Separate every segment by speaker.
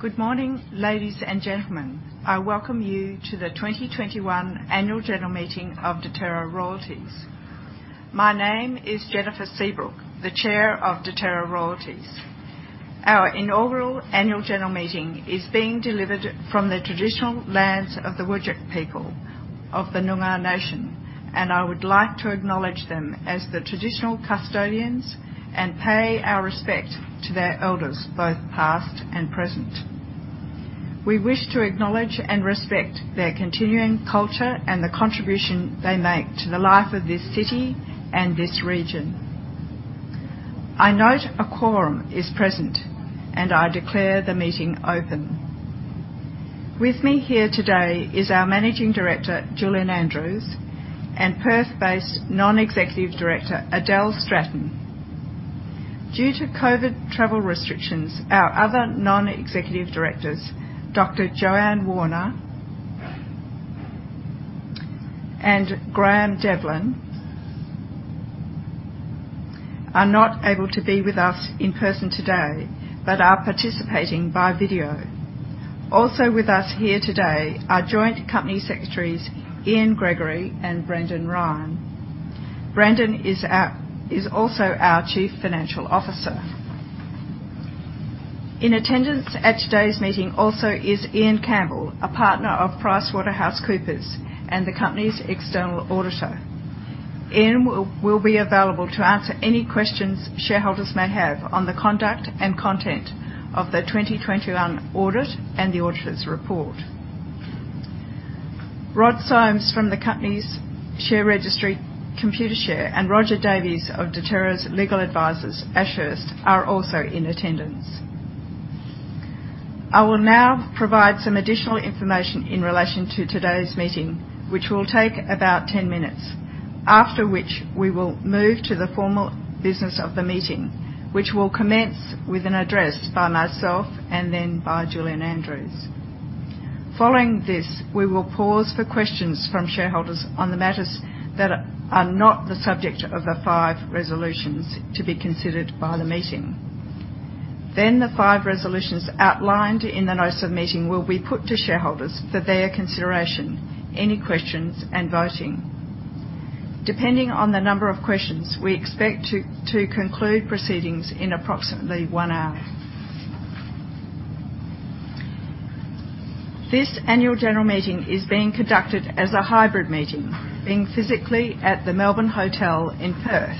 Speaker 1: Good morning, ladies and gentlemen. I welcome you to the 2021 annual general meeting of Deterra Royalties. My name is Jennifer Seabrook, the chair of Deterra Royalties. Our inaugural annual general meeting is being delivered from the traditional lands of the Whadjuk people of the Noongar nation, and I would like to acknowledge them as the traditional custodians and pay our respect to their elders, both past and present. We wish to acknowledge and respect their continuing culture and the contribution they make to the life of this city and this region. I note a quorum is present, and I declare the meeting open. With me here today is our Managing Director, Julian Andrews, and Perth-based Non-Executive Director, Adele Stratton. Due to COVID travel restrictions, our other Non-Executive Directors, Dr. Joanne Warner and Graeme Devlin, are not able to be with us in person today, but are participating by video. Also with us here today are Joint Company Secretaries Ian Gregory and Brendan Ryan. Brendan is also our Chief Financial Officer. In attendance at today's meeting also is Ian Campbell, a Partner of PricewaterhouseCoopers and the Company's External Auditor. Ian will be available to answer any questions shareholders may have on the conduct and content of the 2021 audit and the auditor's report. Rod Somes from the company's share registry, Computershare, and Roger Davies of Deterra's legal advisors, Ashurst, are also in attendance. I will now provide some additional information in relation to today's meeting, which will take about 10 minutes, after which we will move to the formal business of the meeting, which will commence with an address by myself and then by Julian Andrews. Following this, we will pause for questions from shareholders on the matters that are not the subject of the five resolutions to be considered by the meeting. The five resolutions outlined in the notice of meeting will be put to shareholders for their consideration, any questions, and voting. Depending on the number of questions, we expect to conclude proceedings in approximately one hour. This annual general meeting is being conducted as a hybrid meeting, being physically at the Melbourne Hotel in Perth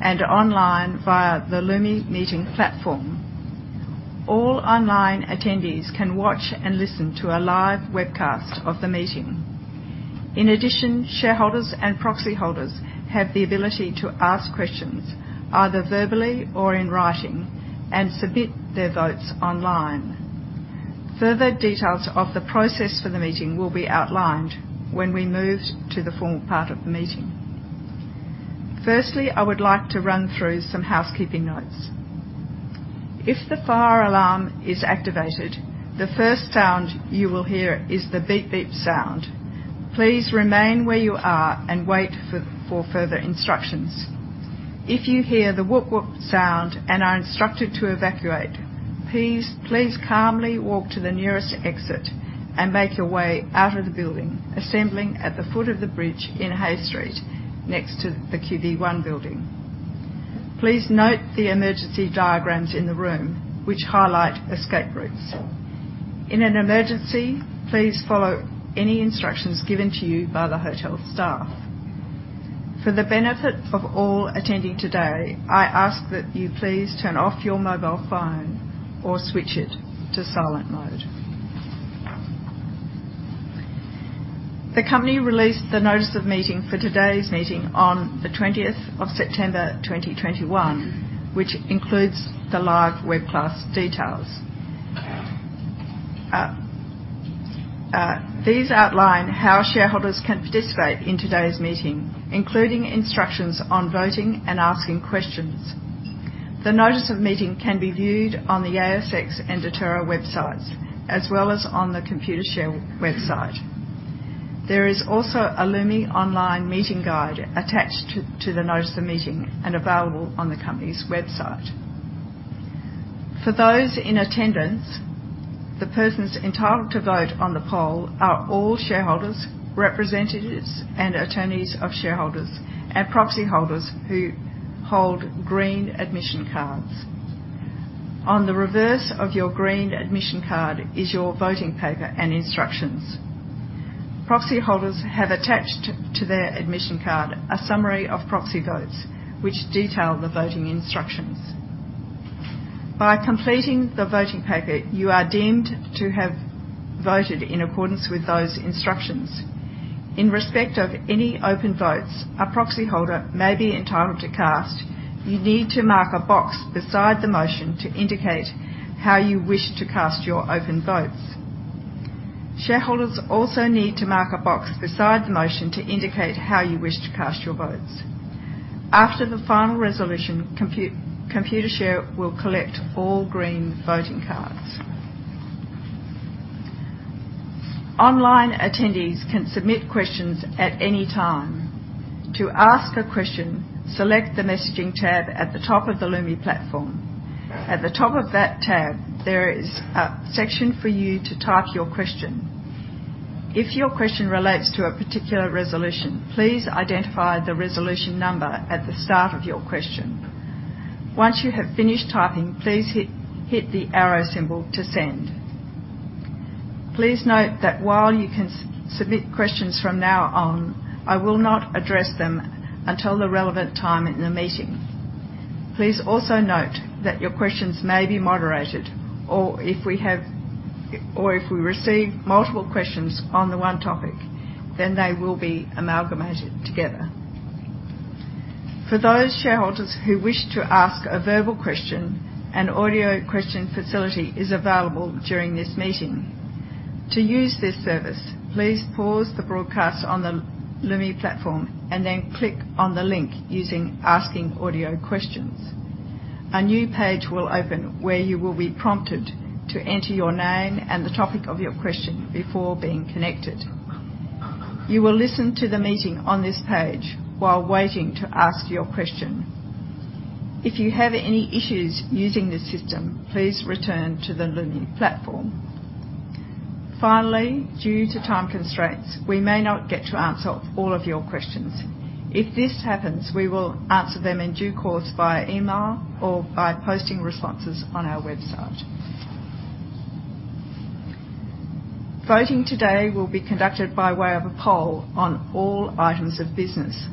Speaker 1: and online via the Lumi Meeting platform. All online attendees can watch and listen to a live webcast of the meeting. In addition, shareholders and proxy holders have the ability to ask questions, either verbally or in writing, and submit their votes online. Further details of the process for the meeting will be outlined when we move to the formal part of the meeting. Firstly, I would like to run through some housekeeping notes. If the fire alarm is activated, the first sound you will hear is the beep-beep sound. Please remain where you are and wait for further instructions. If you hear the whoop-whoop sound and are instructed to evacuate, please calmly walk to the nearest exit and make your way out of the building, assembling at the foot of the bridge in Hay Street, next to the QV1 building. Please note the emergency diagrams in the room, which highlight escape routes. In an emergency, please follow any instructions given to you by the hotel staff. For the benefit of all attending today, I ask that you please turn off your mobile phone or switch it to silent mode. The company released the notice of meeting for today's meeting on the 20th of September 2021, which includes the live webcast details. These outline how shareholders can participate in today's meeting, including instructions on voting and asking questions. The notice of meeting can be viewed on the ASX and Deterra websites, as well as on the Computershare website. There is also a Lumi online meeting guide attached to the notice of meeting and available on the company's website. For those in attendance, the persons entitled to vote on the poll are all shareholders, representatives, and attorneys of shareholders and proxy holders who hold green admission cards. On the reverse of your green admission card is your voting paper and instructions. Proxy holders have attached to their admission card a summary of proxy votes, which detail the voting instructions. By completing the voting paper, you are deemed to have voted in accordance with those instructions. In respect of any open votes a proxy holder may be entitled to cast, you need to mark a box beside the motion to indicate how you wish to cast your open votes. Shareholders also need to mark a box beside the motion to indicate how you wish to cast your votes. After the final resolution, Computershare will collect all green voting cards. Online attendees can submit questions at any time. To ask a question, select the messaging tab at the top of the Lumi platform. At the top of that tab, there is a section for you to type your question. If your question relates to a particular resolution, please identify the resolution number at the start of your question. Once you have finished typing, please hit the arrow symbol to send. Please note that while you can submit questions from now on, I will not address them until the relevant time in the meeting. Please also note that your questions may be moderated, or if we receive multiple questions on the one topic, then they will be amalgamated together. For those shareholders who wish to ask a verbal question, an audio question facility is available during this meeting. To use this service, please pause the broadcast on the Lumi platform and then click on the link using Asking Audio Questions. A new page will open where you will be prompted to enter your name and the topic of your question before being connected. You will listen to the meeting on this page while waiting to ask your question. If you have any issues using this system, please return to the Lumi platform. Finally, due to time constraints, we may not get to answer all of your questions. If this happens, we will answer them in due course via email or by posting responses on our website. Voting today will be conducted by way of a poll on all items of business.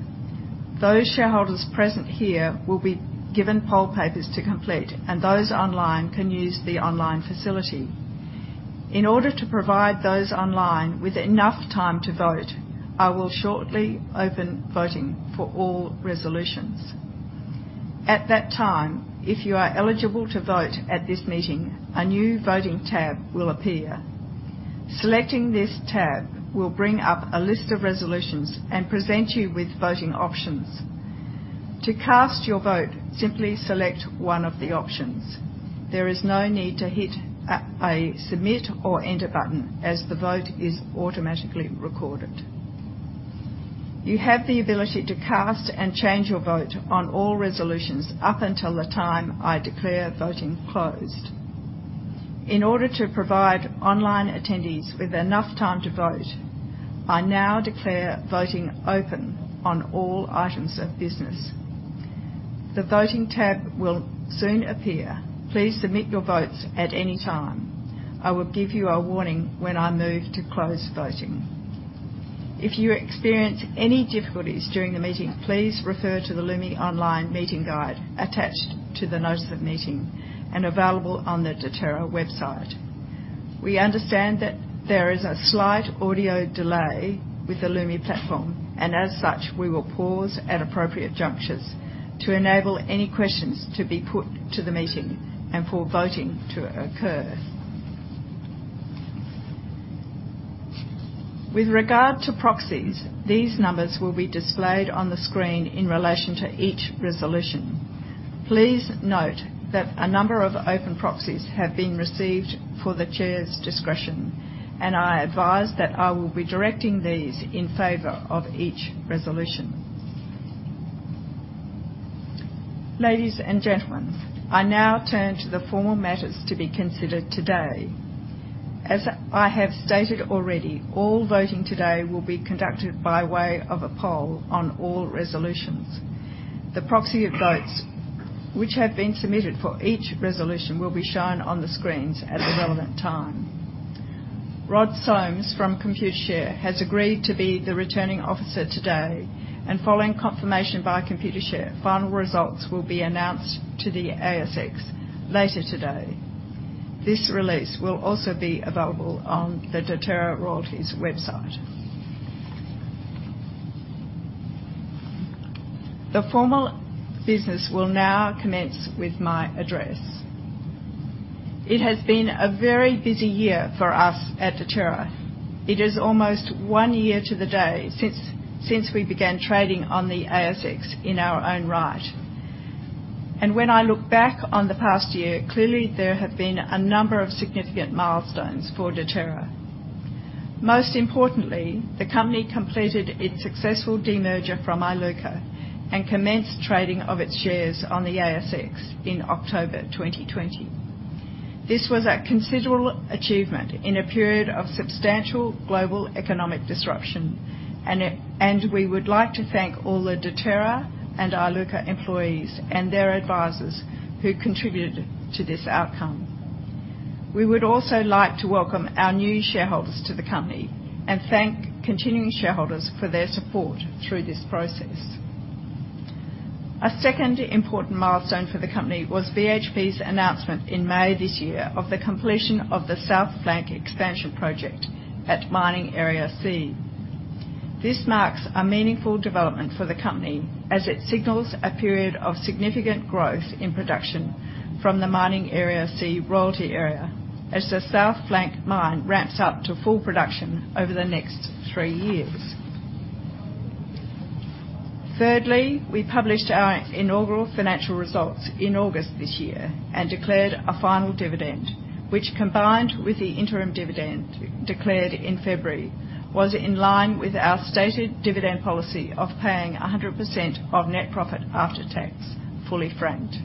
Speaker 1: Those shareholders present here will be given poll papers to complete, and those online can use the online facility. In order to provide those online with enough time to vote, I will shortly open voting for all resolutions. At that time, if you are eligible to vote at this meeting, a new voting tab will appear. Selecting this tab will bring up a list of resolutions and present you with voting options. To cast your vote, simply select one of the options. There is no need to hit a submit or enter button as the vote is automatically recorded. You have the ability to cast and change your vote on all resolutions up until the time I declare voting closed. In order to provide online attendees with enough time to vote, I now declare voting open on all items of business. The voting tab will soon appear. Please submit your votes at any time. I will give you a warning when I move to close voting. If you experience any difficulties during the meeting, please refer to the Lumi Online meeting guide attached to the notice of meeting and available on the Deterra website. We understand that there is a slight audio delay with the Lumi platform, and as such, we will pause at appropriate junctures to enable any questions to be put to the meeting and for voting to occur. With regard to proxies, these numbers will be displayed on the screen in relation to each resolution. Please note that a number of open proxies have been received for the chair's discretion, and I advise that I will be directing these in favor of each resolution. Ladies and gentlemen, I now turn to the formal matters to be considered today. As I have stated already, all voting today will be conducted by way of a poll on all resolutions. The proxy of votes which have been submitted for each resolution will be shown on the screens at the relevant time. Rod Somes from Computershare has agreed to be the Returning Officer today, and following confirmation by Computershare, final results will be announced to the ASX later today. This release will also be available on the Deterra Royalties website. The formal business will now commence with my address. It has been a very busy year for us at Deterra. It is almost one year to the day since we began trading on the ASX in our own right. When I look back on the past year, clearly there have been a number of significant milestones for Deterra. Most importantly, the company completed its successful demerger from Iluka and commenced trading of its shares on the ASX in October 2020. This was a considerable achievement in a period of substantial global economic disruption, and we would like to thank all the Deterra and Iluka employees and their advisors who contributed to this outcome. We would also like to welcome our new shareholders to the company and thank continuing shareholders for their support through this process. A second important milestone for the company was BHP's announcement in May this year of the completion of the South Flank expansion project at Mining Area C. This marks a meaningful development for the company as it signals a period of significant growth in production from the Mining Area C royalty area as the South Flank mine ramps up to full production over the next three years. Thirdly, we published our inaugural financial results in August this year and declared a final dividend, which combined with the interim dividend declared in February, was in line with our stated dividend policy of paying 100% of net profit after tax, fully franked.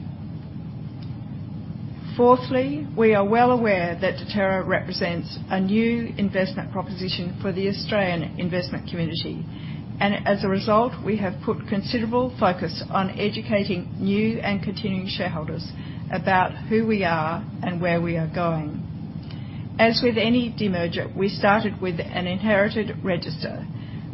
Speaker 1: Fourthly, we are well aware that Deterra represents a new investment proposition for the Australian investment community, and as a result, we have put considerable focus on educating new and continuing shareholders about who we are and where we are going. As with any demerger, we started with an inherited register,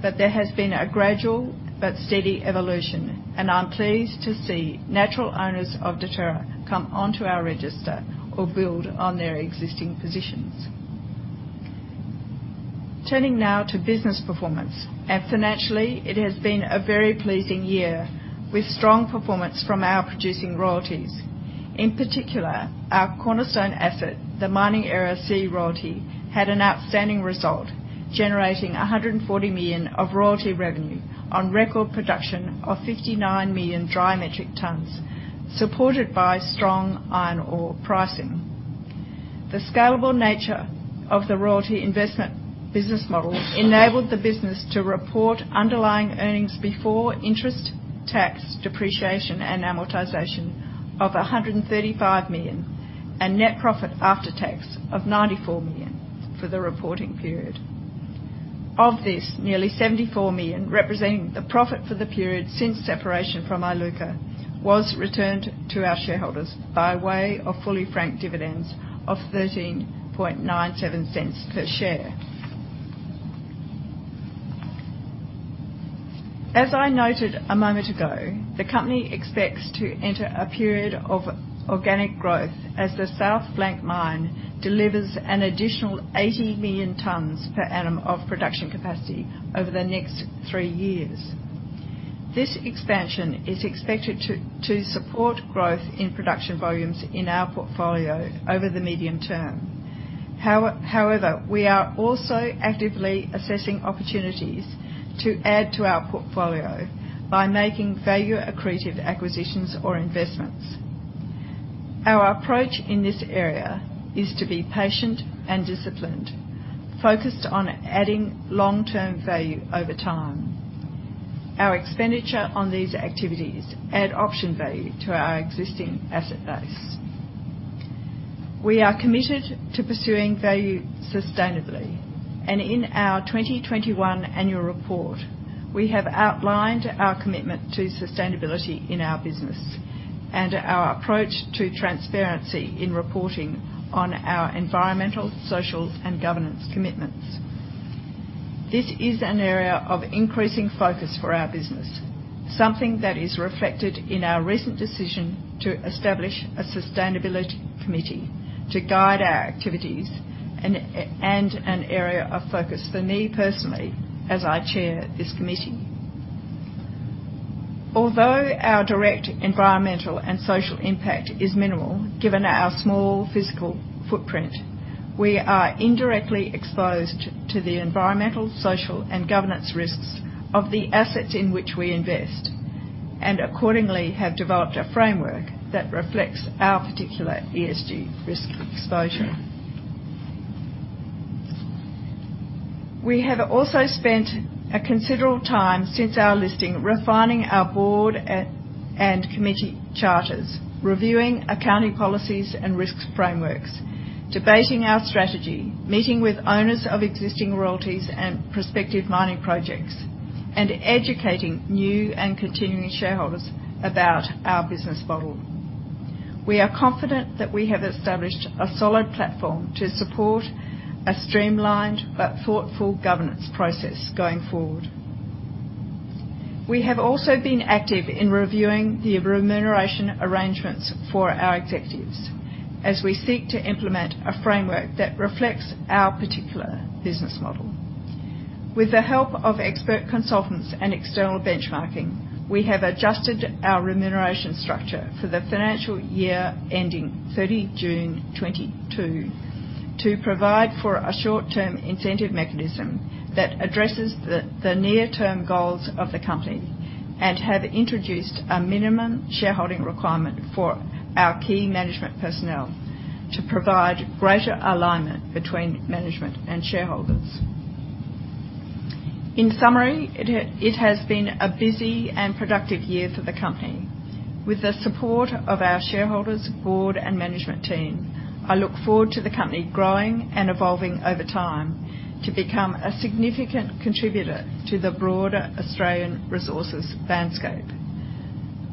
Speaker 1: but there has been a gradual but steady evolution, and I'm pleased to see natural owners of Deterra come onto our register or build on their existing positions. Turning now to business performance. Financially, it has been a very pleasing year, with strong performance from our producing royalties. In particular, our cornerstone asset, the Mining Area C royalty, had an outstanding result, generating 140 million of royalty revenue on record production of 59 million dry metric tons, supported by strong iron ore pricing. The scalable nature of the royalty investment business model enabled the business to report underlying EBITDA of 135 million, and net profit after tax of 94 million for the reporting period. Of this, nearly 74 million representing the profit for the period since separation from Iluka was returned to our shareholders by way of fully franked dividends of 0.1397 per share. As I noted a moment ago, the company expects to enter a period of organic growth as the South Flank mine delivers an additional 80 million tons per annum of production capacity over the next three years. This expansion is expected to support growth in production volumes in our portfolio over the medium term. However, we are also actively assessing opportunities to add to our portfolio by making value accretive acquisitions or investments. Our approach in this area is to be patient and disciplined, focused on adding long-term value over time. Our expenditure on these activities add option value to our existing asset base. We are committed to pursuing value sustainably, and in our 2021 annual report, we have outlined our commitment to sustainability in our business and our approach to transparency in reporting on our environmental, social, and governance commitments. This is an area of increasing focus for our business, something that is reflected in our recent decision to establish a Sustainability Committee to guide our activities and an area of focus for me personally as I chair this committee. Although our direct environmental and social impact is minimal, given our small physical footprint, we are indirectly exposed to the environmental, social, and governance risks of the assets in which we invest, and accordingly, have developed a framework that reflects our particular ESG risk exposure. We have also spent a considerable time since our listing, refining our board and committee charters, reviewing accounting policies and risks frameworks, debating our strategy, meeting with owners of existing royalties and prospective mining projects, and educating new and continuing shareholders about our business model. We are confident that we have established a solid platform to support a streamlined but thoughtful governance process going forward. We have also been active in reviewing the remuneration arrangements for our executives as we seek to implement a framework that reflects our particular business model. With the help of expert consultants and external benchmarking, we have adjusted our remuneration structure for the financial year ending 30 June 2022 to provide for a short-term incentive mechanism that addresses the near-term goals of the company and have introduced a minimum shareholding requirement for our key management personnel to provide greater alignment between management and shareholders. In summary, it has been a busy and productive year for the company. With the support of our shareholders, board, and management team, I look forward to the company growing and evolving over time to become a significant contributor to the broader Australian resources landscape.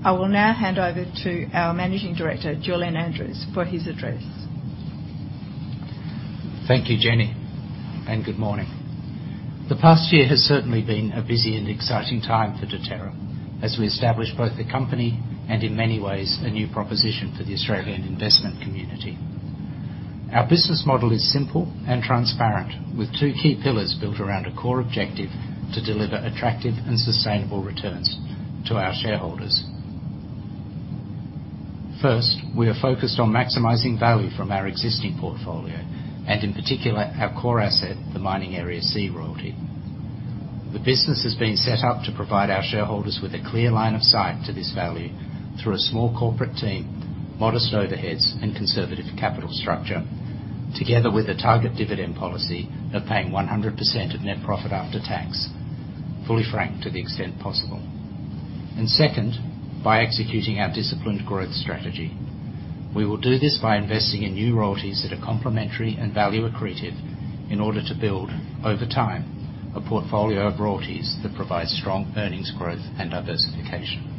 Speaker 1: I will now hand over to our Managing Director, Julian Andrews, for his address.
Speaker 2: Thank you, Jenny. Good morning. The past year has certainly been a busy and exciting time for Deterra as we establish both the company and in many ways, a new proposition for the Australian investment community. Our business model is simple and transparent, with two key pillars built around a core objective to deliver attractive and sustainable returns to our shareholders. First, we are focused on maximizing value from our existing portfolio, and in particular, our core asset, the Mining Area C royalty. The business has been set up to provide our shareholders with a clear line of sight to this value through a small corporate team, modest overheads, and conservative capital structure, together with a target dividend policy of paying 100% of net profit after tax, fully franked to the extent possible. Second, by executing our disciplined growth strategy. We will do this by investing in new royalties that are complementary and value accretive in order to build, over time, a portfolio of royalties that provide strong earnings growth and diversification.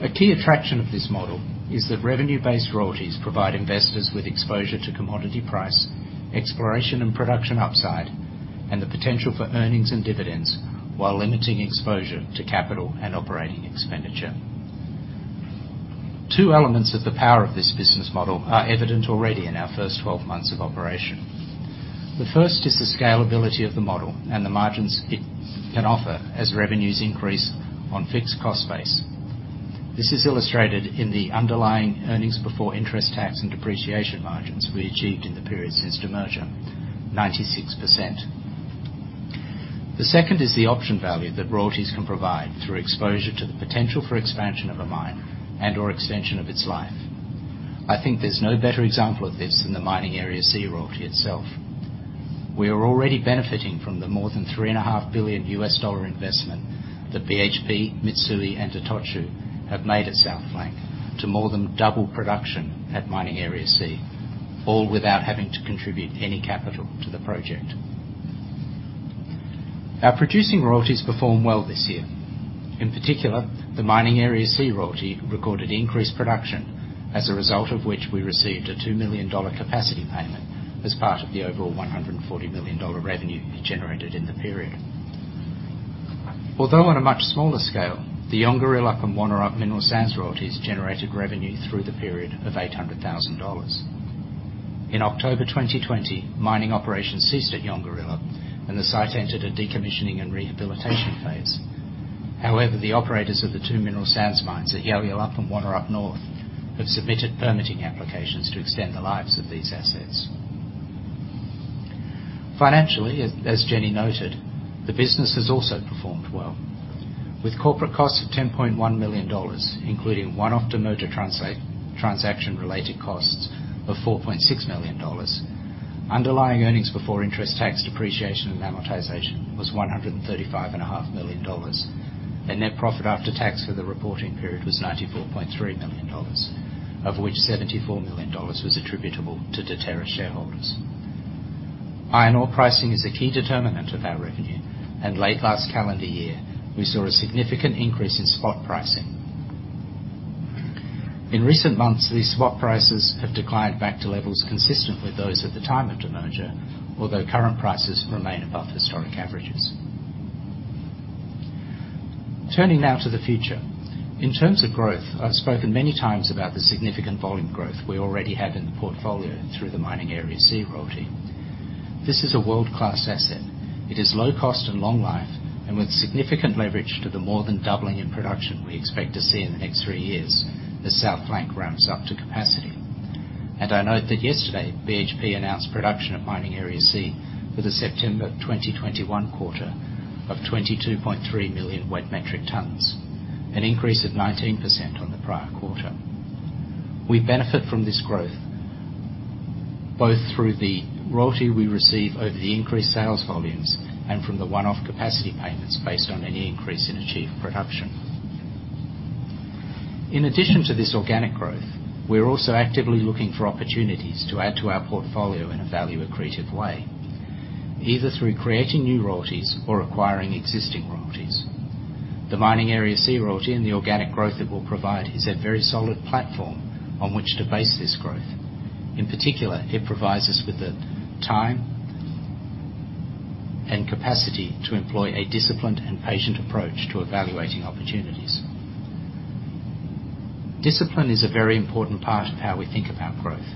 Speaker 2: A key attraction of this model is that revenue-based royalties provide investors with exposure to commodity price, exploration and production upside, and the potential for earnings and dividends, while limiting exposure to capital and operating expenditure. Two elements of the power of this business model are evident already in our first 12 months of operation. The first is the scalability of the model and the margins it can offer as revenues increase on fixed cost base. This is illustrated in the underlying earnings before interest, tax, and depreciation margins we achieved in the period since demerger, 96%. The second is the option value that royalties can provide through exposure to the potential for expansion of a mine and/or extension of its life. I think there's no better example of this than the Mining Area C royalty itself. We are already benefiting from the more than $3.5 billion US dollar investment that BHP, Mitsui, and Itochu have made at South Flank to more than double production at Mining Area C, all without having to contribute any capital to the project. Our producing royalties performed well this year. In particular, the Mining Area C royalty recorded increased production, as a result of which we received an 2 million dollar capacity payment as part of the overall 140 million dollar revenue generated in the period. Although on a much smaller scale, the Yoongarillup and Wonnerup mineral sands royalties generated revenue through the period of 800,000 dollars. In October 2020, mining operations ceased at Yoongarillup, and the site entered a decommissioning and rehabilitation phase. However, the operators of the two mineral sands mines at Yalyalup and Wonnerup North have submitted permitting applications to extend the lives of these assets. Financially, as Jenny noted, the business has also performed well. With corporate costs of 10.1 million dollars, including one-off demerger transaction-related costs of 4.6 million dollars. Underlying EBITDA was 135.5 million dollars. Net profit after tax for the reporting period was 94.3 million dollars, of which 74 million dollars was attributable to Deterra shareholders. Iron ore pricing is a key determinant of our revenue, and late last calendar year, we saw a significant increase in spot pricing. In recent months, these spot prices have declined back to levels consistent with those at the time of demerger, although current prices remain above historic averages. Turning now to the future. In terms of growth, I've spoken many times about the significant volume growth we already have in the portfolio through the Mining Area C royalty. This is a world-class asset. It is low cost and long life, and with significant leverage to the more than doubling in production we expect to see in the next three years as South Flank ramps up to capacity. I note that yesterday, BHP announced production at Mining Area C for the September 2021 quarter of 22.3 million wet metric tons, an increase of 19% on the prior quarter. We benefit from this growth both through the royalty we receive over the increased sales volumes and from the one-off capacity payments based on any increase in achieved production. In addition to this organic growth, we're also actively looking for opportunities to add to our portfolio in a value-accretive way, either through creating new royalties or acquiring existing royalties. The Mining Area C royalty and the organic growth it will provide is a very solid platform on which to base this growth. In particular, it provides us with the time and capacity to employ a disciplined and patient approach to evaluating opportunities. Discipline is a very important part of how we think about growth.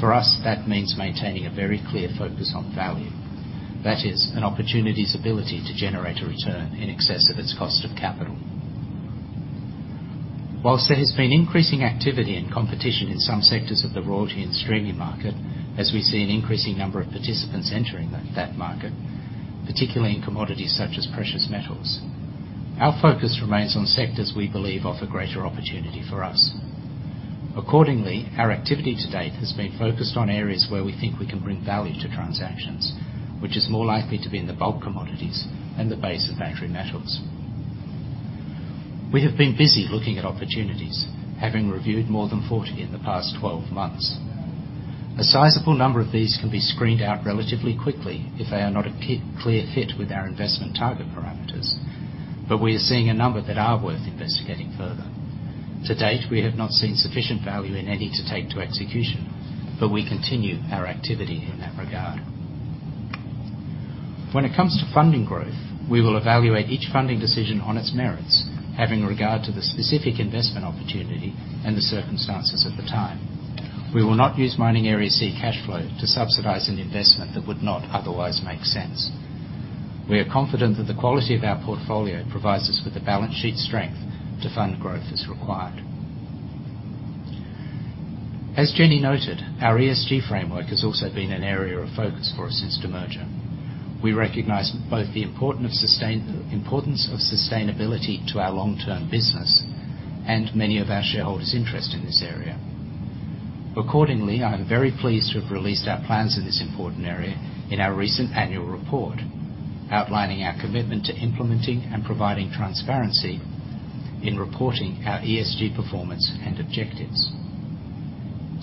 Speaker 2: For us, that means maintaining a very clear focus on value. That is, an opportunity's ability to generate a return in excess of its cost of capital. While there has been increasing activity and competition in some sectors of the royalty and streaming market, as we see an increasing number of participants entering that market, particularly in commodities such as precious metals, our focus remains on sectors we believe offer greater opportunity for us. Accordingly, our activity to date has been focused on areas where we think we can bring value to transactions, which is more likely to be in the bulk commodities and the base of battery metals. We have been busy looking at opportunities, having reviewed more than 40 in the past 12 months. A sizable number of these can be screened out relatively quickly if they are not a clear fit with our investment target parameters, but we are seeing a number that are worth investigating further. To date, we have not seen sufficient value in any to take to execution, but we continue our activity in that regard. When it comes to funding growth, we will evaluate each funding decision on its merits, having regard to the specific investment opportunity and the circumstances at the time. We will not use Mining Area C cash flow to subsidize an investment that would not otherwise make sense. We are confident that the quality of our portfolio provides us with the balance sheet strength to fund growth as required. As Jenny noted, our ESG framework has also been an area of focus for us since demerger. We recognize both the importance of sustainability to our long-term business and many of our shareholders' interest in this area. I am very pleased to have released our plans in this important area in our recent annual report, outlining our commitment to implementing and providing transparency in reporting our ESG performance and objectives.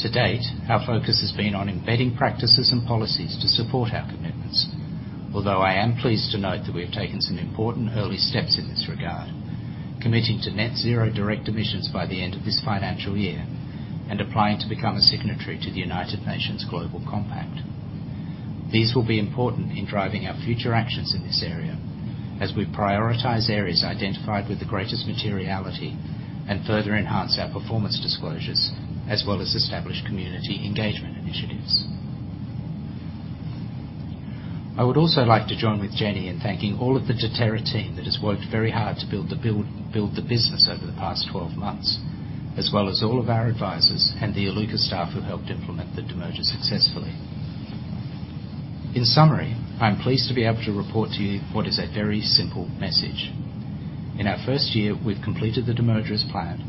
Speaker 2: To date, our focus has been on embedding practices and policies to support our commitments. I am pleased to note that we have taken some important early steps in this regard, committing to net zero direct emissions by the end of this financial year, and applying to become a signatory to the United Nations Global Compact. These will be important in driving our future actions in this area as we prioritize areas identified with the greatest materiality and further enhance our performance disclosures, as well as establish community engagement initiatives. I would also like to join with Jenny in thanking all of the Deterra team that has worked very hard to build the business over the past 12 months, as well as all of our advisors and the Iluka staff who helped implement the demerger successfully. In summary, I am pleased to be able to report to you what is a very simple message. In our first year, we've completed the demerger as planned.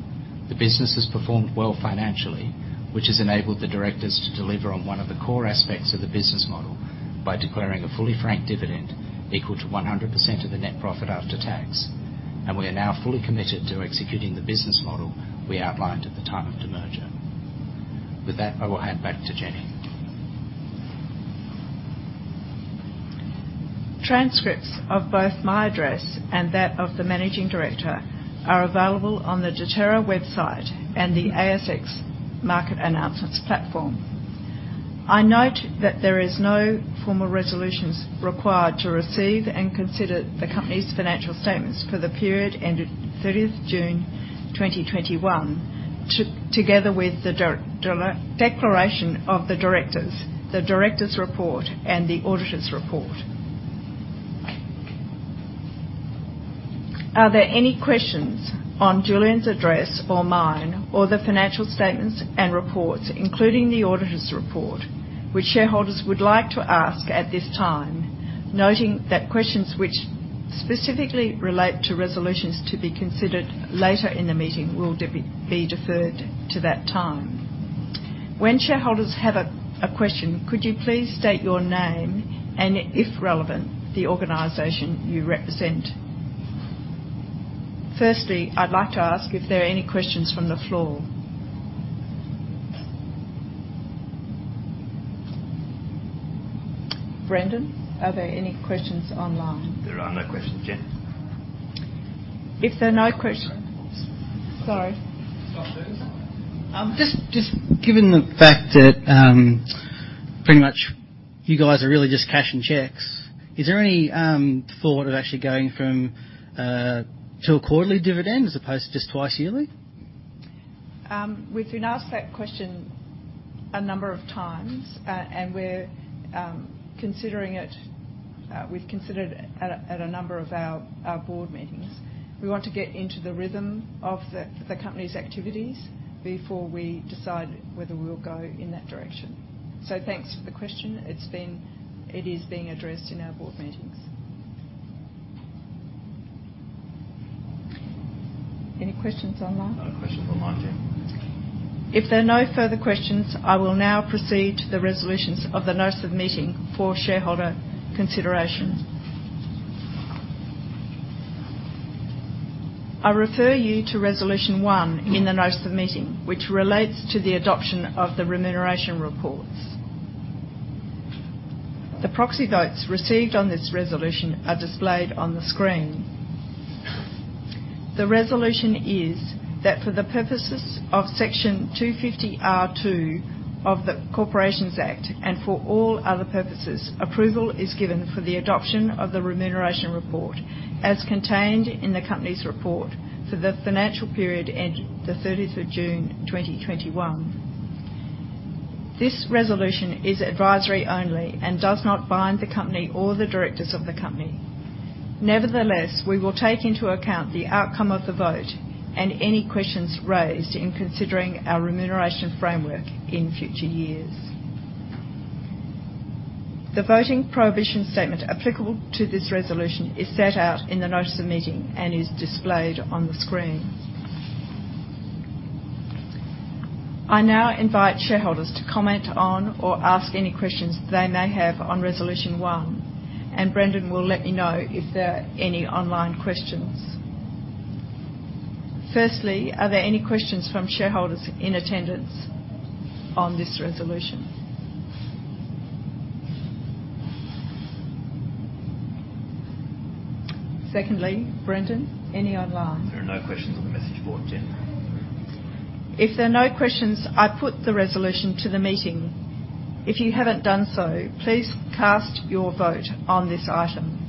Speaker 2: The business has performed well financially, which has enabled the directors to deliver on one of the core aspects of the business model by declaring a fully franked dividend equal to 100% of the net profit after tax, we are now fully committed to executing the business model we outlined at the time of demerger. With that, I will hand back to Jenny.
Speaker 1: Transcripts of both my address and that of the Managing Director are available on the Deterra website and the ASX Market Announcements platform. I note that there is no formal resolutions required to receive and consider the company's financial statements for the period ended 30th June 2021, together with the declaration of the directors, the director's report, and the auditor's report. Are there any questions on Julian's address or mine or the financial statements and reports, including the auditor's report, which shareholders would like to ask at this time, noting that questions which specifically relate to resolutions to be considered later in the meeting will be deferred to that time? When shareholders have a question, could you please state your name and, if relevant, the organization you represent? Firstly, I'd like to ask if there are any questions from the floor. Brendan, are there any questions online?
Speaker 3: There are no questions, Jen.
Speaker 1: If there are no, sorry.
Speaker 4: Just given the fact that pretty much you guys are really just cashing checks, is there any thought of actually going to a quarterly dividend as opposed to just twice yearly?
Speaker 1: We've been asked that question a number of times, and we're considering it. We've considered it at a number of our board meetings. We want to get into the rhythm of the company's activities before we decide whether we'll go in that direction. Thanks for the question. It is being addressed in our board meetings. Any questions online?
Speaker 3: No questions online, Jen.
Speaker 1: If there are no further questions, I will now proceed to the resolutions of the notice of meeting for shareholder consideration. I refer you to resolution one in the notice of the meeting, which relates to the adoption of the remuneration reports. The proxy votes received on this resolution are displayed on the screen. The resolution is that for the purposes of Section 250R(2) of the Corporations Act and for all other purposes, approval is given for the adoption of the remuneration report as contained in the company's report for the financial period ended the 30th of June 2021. This resolution is advisory only and does not bind the company or the directors of the company. Nevertheless, we will take into account the outcome of the vote and any questions raised in considering our remuneration framework in future years. The voting prohibition statement applicable to this resolution is set out in the notice of meeting and is displayed on the screen. I now invite shareholders to comment on or ask any questions they may have on resolution one, and Brendan will let me know if there are any online questions. Are there any questions from shareholders in attendance on this resolution? Brendan, any online?
Speaker 3: There are no questions on the message board, Jenny.
Speaker 1: If there are no questions, I put the resolution to the meeting. If you haven't done so, please cast your vote on this item.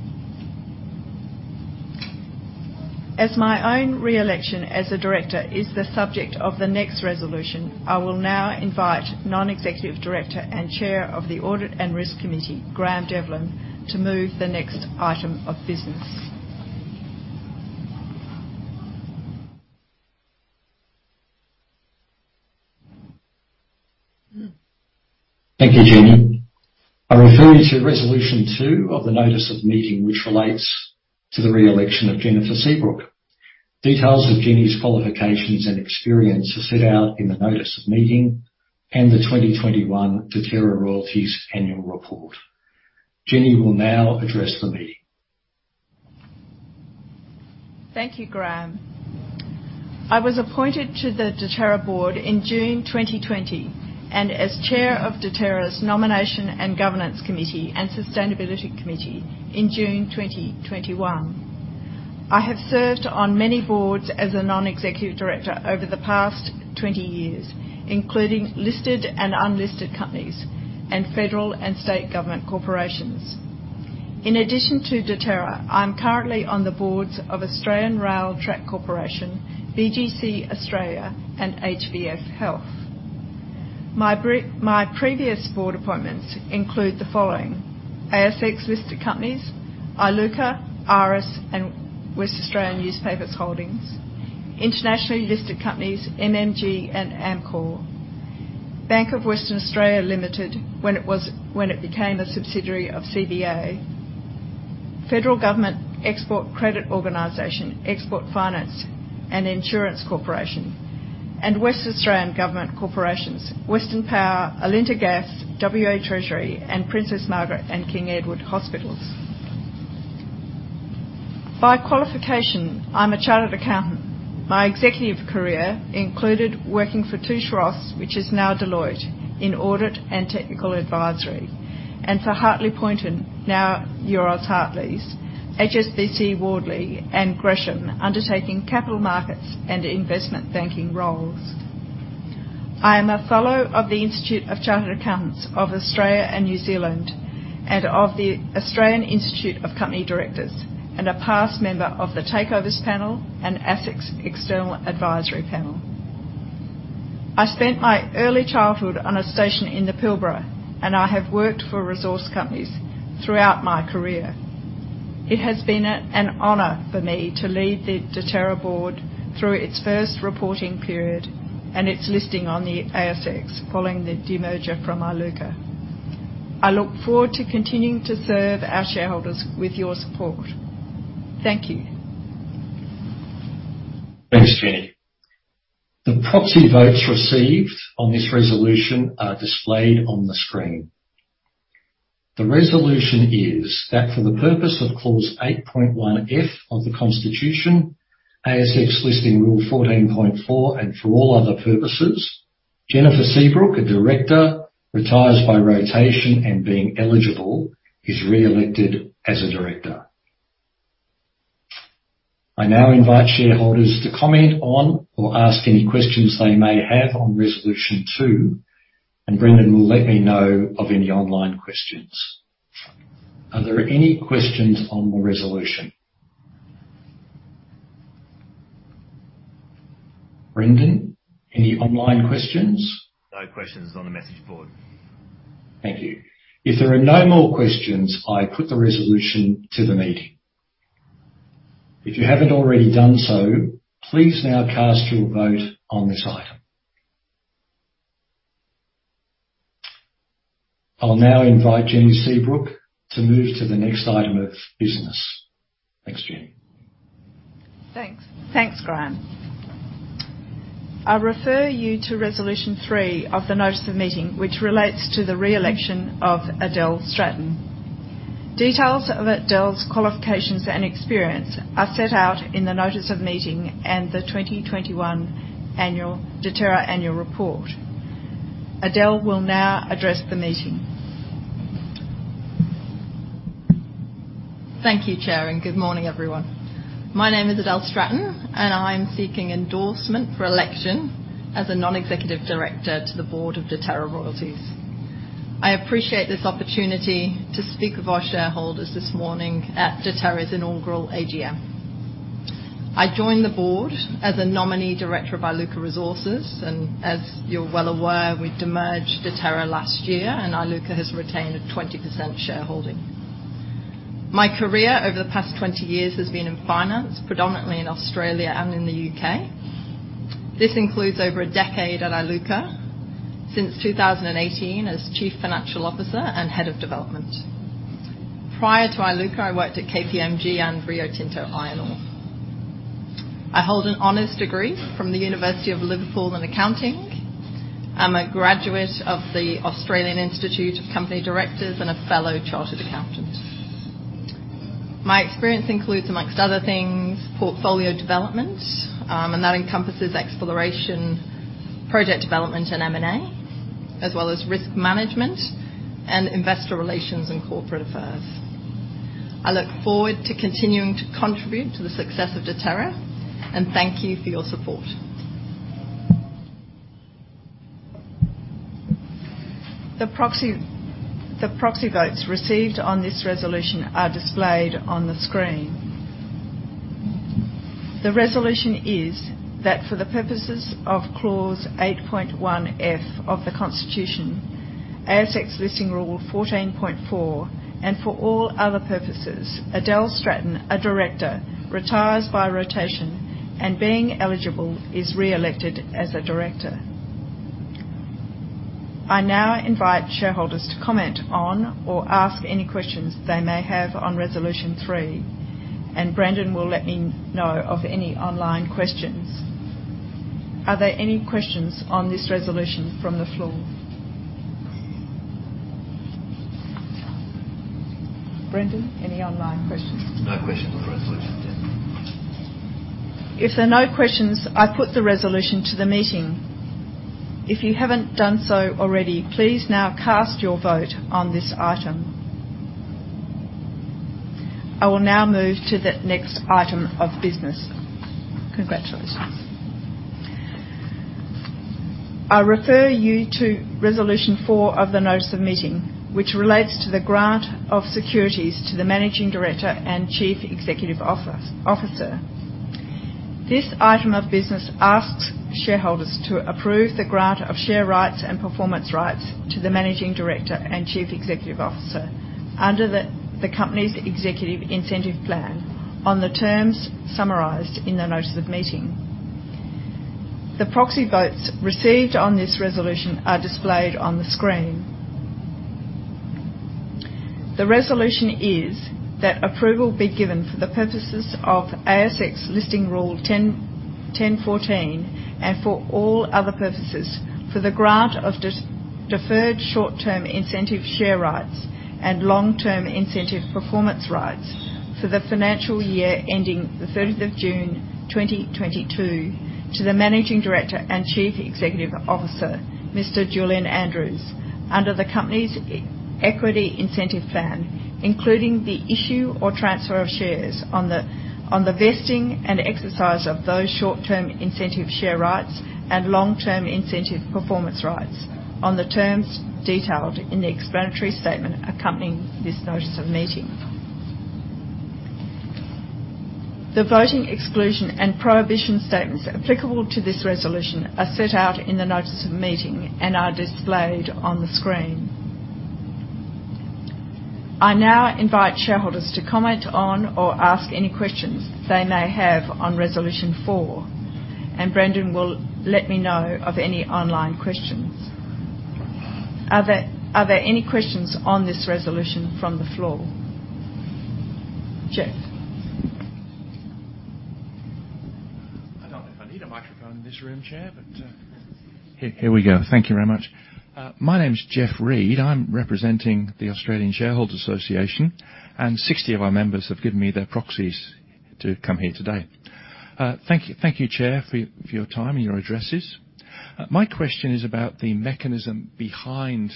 Speaker 1: My own re-election as a director is the subject of the next resolution, I will now invite Non-Executive Director and Chair of the Audit and Risk Committee, Graeme Devlin, to move the next item of business.
Speaker 5: Thank you, Jenny. I refer you to Resolution 2 of the notice of meeting, which relates to the re-election of Jennifer Seabrook. Details of Jenny's qualifications and experience are set out in the notice of meeting and the 2021 Deterra Royalties Annual Report. Jenny will now address the meeting.
Speaker 1: Thank you, Graeme. I was appointed to the Deterra board in June 2020, and as chair of Deterra's Nomination and Governance Committee and Sustainability Committee in June 2021. I have served on many boards as a non-executive director over the past 20 years, including listed and unlisted companies and federal and state government corporations. In addition to Deterra, I'm currently on the boards of Australian Rail Track Corporation, BGC Australia, and HBF Health. My previous board appointments include the following. ASX listed companies, Iluka, Iress, and West Australian Newspapers Holdings. Internationally listed companies, MMG and Amcor. Bank of Western Australia Limited, when it became a subsidiary of CBA. Federal Government Export Credit Organization, Export Finance and Insurance Corporation. West Australian Government Corporations, Western Power, Alinta Gas, WA Treasury, and Princess Margaret and King Edward Hospitals. By qualification, I'm a chartered accountant. My executive career included working for Touche Ross, which is now Deloitte, in audit and technical advisory. And for Hartley Poynton, now Euroz Hartleys, HSBC Wardley, and Gresham, undertaking capital markets and investment banking roles. I am a fellow of the Institute of Chartered Accountants of Australia and New Zealand, and of the Australian Institute of Company Directors, and a past member of the Takeovers Panel and ASX External Advisory Panel. I spent my early childhood on a station in the Pilbara, and I have worked for resource companies throughout my career. It has been an honor for me to lead the Deterra board through its first reporting period and its listing on the ASX following the demerger from Iluka. I look forward to continuing to serve our shareholders with your support. Thank you.
Speaker 5: Thanks, Jenny. The proxy votes received on this resolution are displayed on the screen. The resolution is that for the purpose of Clause 8.1(f) of the Constitution, ASX Listing Rule 14.4, and for all other purposes, Jennifer Seabrook, a director, retires by rotation and being eligible, is re-elected as a director. I now invite shareholders to comment on or ask any questions they may have on Resolution 2. Brendan will let me know of any online questions. Are there any questions on the resolution? Brendan, any online questions?
Speaker 3: No questions on the message board.
Speaker 5: Thank you. If there are no more questions, I put the resolution to the meeting. If you haven't already done so, please now cast your vote on this item. I'll now invite Jenny Seabrook to move to the next item of business. Thanks, Jenny.
Speaker 1: Thanks, Graeme. I refer you to Resolution 3 of the notice of meeting, which relates to the re-election of Adele Stratton. Details of Adele's qualifications and experience are set out in the notice of meeting and the 2021 Deterra Annual Report. Adele will now address the meeting.
Speaker 6: Thank you, Chair, and good morning, everyone. My name is Adele Stratton, and I am seeking endorsement for election as a non-executive director to the board of Deterra Royalties. I appreciate this opportunity to speak with our shareholders this morning at Deterra's inaugural AGM. I joined the board as a nominee director of Iluka Resources, and as you are well aware, we demerged Deterra last year, and Iluka has retained a 20% shareholding. My career over the past 20 years has been in finance, predominantly in Australia and in the U.K. This includes over 1 decade at Iluka. Since 2018 as Chief Financial Officer and head of development. Prior to Iluka, I worked at KPMG and Rio Tinto Iron Ore. I hold an honors degree from the University of Liverpool in accounting. I am a graduate of the Australian Institute of Company Directors and a fellow chartered accountant. My experience includes, among other things, portfolio development, and that encompasses exploration, project development, and M&A, as well as risk management and investor relations and corporate affairs. I look forward to continuing to contribute to the success of Deterra, and thank you for your support.
Speaker 1: The proxy votes received on this resolution are displayed on the screen. The resolution is that for the purposes of Clause 8.1(f) of the constitution, ASX Listing Rule 14.4, and for all other purposes, Adele Stratton, a director, retires by rotation, and being eligible, is re-elected as a director. I now invite shareholders to comment on or ask any questions they may have on Resolution 3. Brendan will let me know of any online questions. Are there any questions on this resolution from the floor? Brendan, any online questions?
Speaker 3: No questions on the resolution, Jen.
Speaker 1: If there are no questions, I put the resolution to the meeting. If you haven't done so already, please now cast your vote on this item. I will now move to the next item of business. Congratulations. I refer you to Resolution 4 of the notice of meeting, which relates to the grant of securities to the Managing Director and Chief Executive Officer. This item of business asks shareholders to approve the grant of share rights and performance rights to the Managing Director and Chief Executive Officer under the company's executive incentive plan on the terms summarized in the notice of meeting. The proxy votes received on this resolution are displayed on the screen. The resolution is that approval be given for the purposes of ASX Listing Rule 10.14 and for all other purposes for the grant of deferred short-term incentive share rights and long-term incentive performance rights for the financial year ending the 30th of June 2022 to the Managing Director and Chief Executive Officer, Mr. Julian Andrews, under the company's equity incentive plan, including the issue or transfer of shares on the vesting and exercise of those short-term incentive share rights and long-term incentive performance rights on the terms detailed in the explanatory statement accompanying this notice of meeting. The voting exclusion and prohibition statements applicable to this resolution are set out in the notice of meeting and are displayed on the screen. I now invite shareholders to comment on or ask any questions they may have on Resolution 4, and Brendan will let me know of any online questions. Are there any questions on this resolution from the floor? Geoff.
Speaker 7: I don't know if I need a microphone in this room, Chair. Here we go. Thank you very much. My name's Geoff Read. I'm representing the Australian Shareholders' Association. 60 of our members have given me their proxies to come here today. Thank you, Chair, for your time and your addresses. My question is about the mechanism behind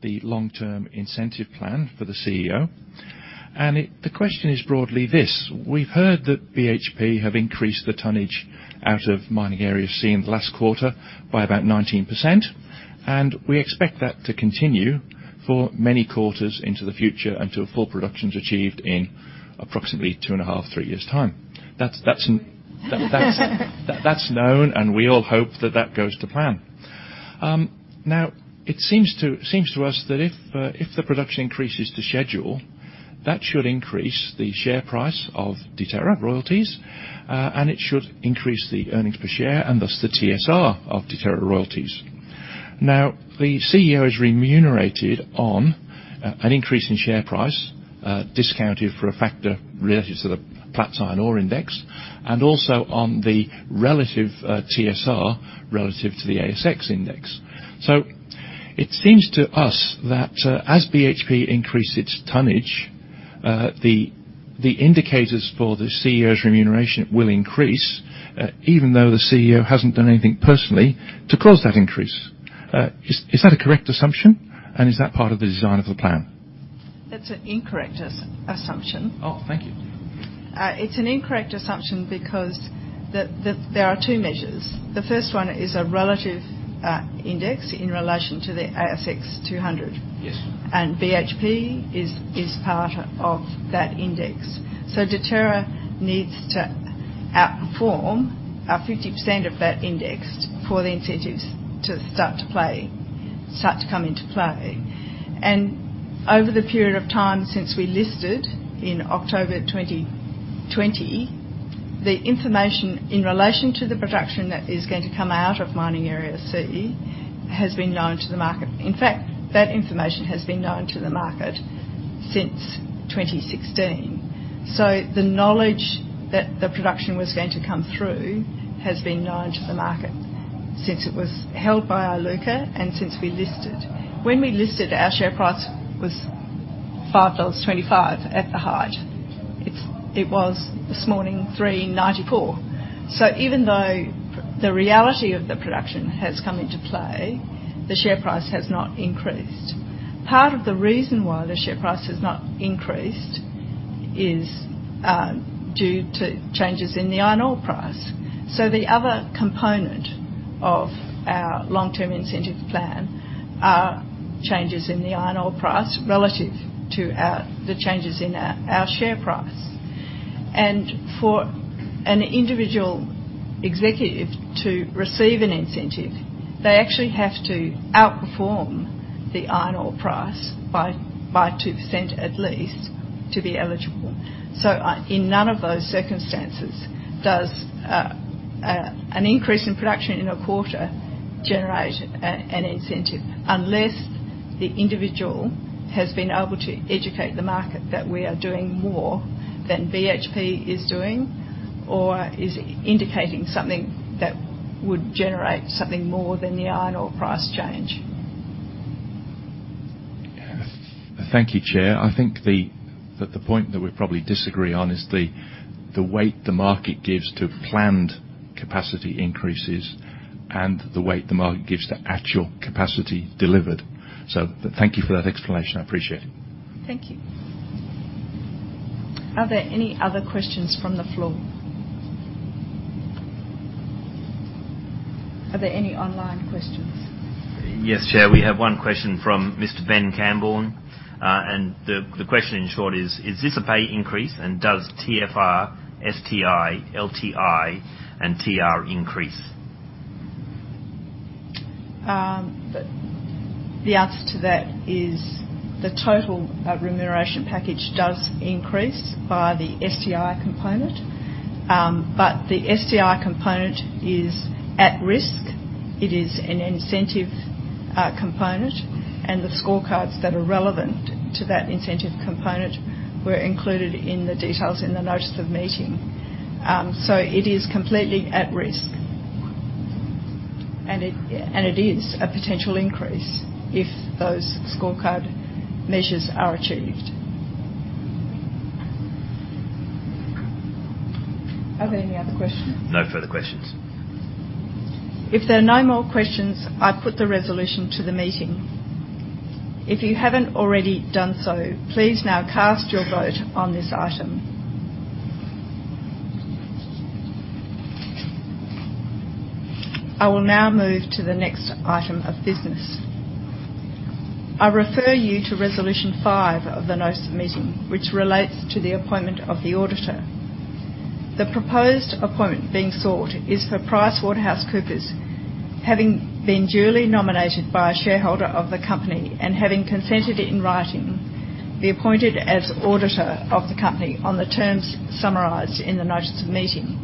Speaker 7: the long-term incentive plan for the CEO. The question is broadly this: We've heard that BHP have increased the tonnage out of Mining Area C in the last quarter by about 19%. We expect that to continue for many quarters into the future until full production's achieved in approximately 2.5, 3 years' time. That's known. We all hope that that goes to plan. It seems to us that if the production increases to schedule, that should increase the share price of Deterra Royalties, and it should increase the earnings per share and thus the TSR of Deterra Royalties. The CEO is remunerated on an increase in share price, discounted for a factor related to the Platts Iron Ore Index, and also on the relative TSR relative to the ASX index. It seems to us that as BHP increase its tonnage, the indicators for the CEO's remuneration will increase, even though the CEO hasn't done anything personally to cause that increase. Is that a correct assumption? Is that part of the design of the plan?
Speaker 1: That's an incorrect assumption.
Speaker 7: Oh, thank you.
Speaker 1: It's an incorrect assumption because there are two measures. The first one is a relative index in relation to the ASX 200.
Speaker 7: Yes.
Speaker 1: BHP is part of that index. Deterra needs to outperform 50% of that index for the incentives to start to come into play. Over the period of time since we listed in October 2020, the information in relation to the production that is going to come out of Mining Area C has been known to the market. In fact, that information has been known to the market since 2016. The knowledge that the production was going to come through has been known to the market since it was held by Iluka and since we listed. When we listed, our share price was 5.25 dollars at the height. It was, this morning, 3.94. Even though the reality of the production has come into play, the share price has not increased. Part of the reason why the share price has not increased is due to changes in the iron ore price. The other component of our long-term incentive plan are changes in the iron ore price relative to the changes in our share price. For an individual executive to receive an incentive, they actually have to outperform the iron ore price by 2% at least to be eligible. In none of those circumstances does an increase in production in a quarter generate an incentive unless the individual has been able to educate the market that we are doing more than BHP is doing, or is indicating something that would generate something more than the iron ore price change.
Speaker 7: Thank you, Chair. I think that the point that we probably disagree on is the weight the market gives to planned capacity increases and the weight the market gives to actual capacity delivered. Thank you for that explanation. I appreciate it.
Speaker 1: Thank you. Are there any other questions from the floor? Are there any online questions?
Speaker 3: Yes, Chair. We have one question from Mr. Ben Cambourne. The question, in short, is: Is this a pay increase, and does TFR, STI, LTI, and TR increase?
Speaker 1: The answer to that is the total remuneration package does increase by the STI component. The STI component is at risk. It is an incentive component, and the scorecards that are relevant to that incentive component were included in the details in the notice of meeting. It is completely at risk. It is a potential increase if those scorecard measures are achieved. Are there any other questions?
Speaker 3: No further questions.
Speaker 1: If there are no more questions, I put the resolution to the meeting. If you haven't already done so, please now cast your vote on this item. I will now move to the next item of business. I refer you to Resolution 5 of the notice of meeting, which relates to the appointment of the auditor. The proposed appointment being sought is for PricewaterhouseCoopers, having been duly nominated by a shareholder of the company and having consented in writing, be appointed as auditor of the company on the terms summarized in the notice of meeting.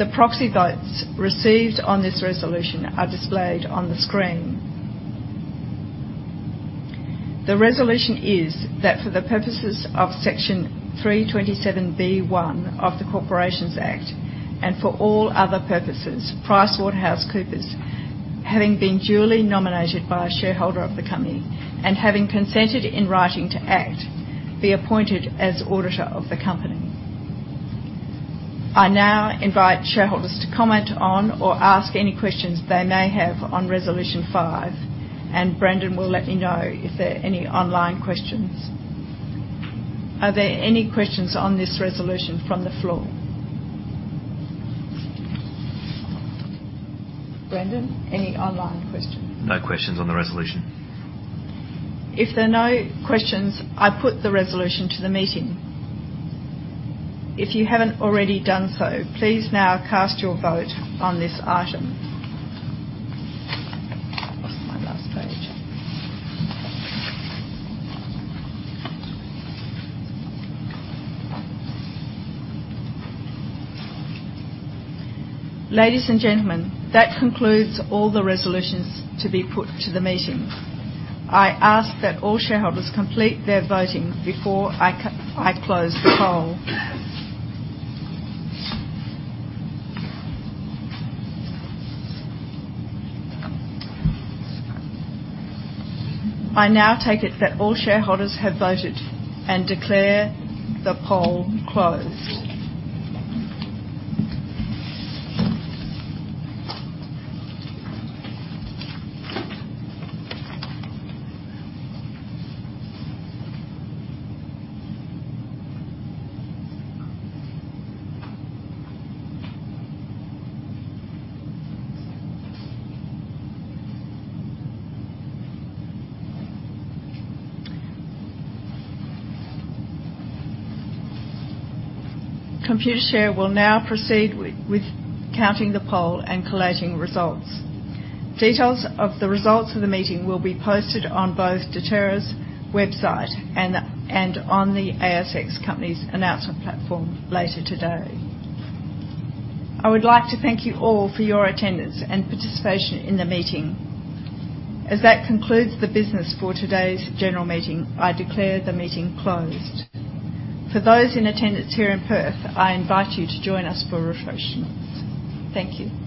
Speaker 1: The proxy votes received on this resolution are displayed on the screen. The resolution is that for the purposes of Section 327B(1) of the Corporations Act, and for all other purposes, PricewaterhouseCoopers, having been duly nominated by a shareholder of the company and having consented in writing to act, be appointed as auditor of the company. I now invite shareholders to comment on or ask any questions they may have on Resolution 5, and Brendan will let me know if there are any online questions. Are there any questions on this resolution from the floor? Brendan, any online questions?
Speaker 3: No questions on the resolution.
Speaker 1: If there are no questions, I put the resolution to the meeting. If you haven't already done so, please now cast your vote on this item. Lost my last page. Ladies and gentlemen, that concludes all the resolutions to be put to the meeting. I ask that all shareholders complete their voting before I close the poll. I now take it that all shareholders have voted and declare the poll closed. Computershare will now proceed with counting the poll and collating results. Details of the results of the meeting will be posted on both Deterra's website and on the ASX company's announcement platform later today. I would like to thank you all for your attendance and participation in the meeting. As that concludes the business for today's general meeting, I declare the meeting closed. For those in attendance here in Perth, I invite you to join us for refreshments. Thank you.